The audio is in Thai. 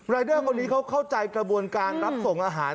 เดอร์คนนี้เขาเข้าใจกระบวนการรับส่งอาหาร